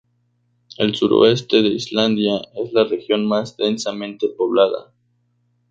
El suroeste de Islandia es la región más densamente poblada.